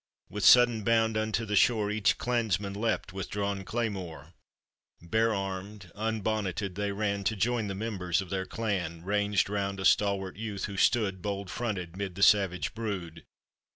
"With sudden bound unto the shore, Each clansman leapt with drawn claymore, Bare armed, unbonneted they ran, To join the members of their clan Kanged round a stalwart youth, who stood Bold fronted 'mid the savage brood.